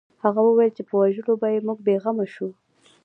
هغه وویل چې په وژلو به یې موږ بې غمه شو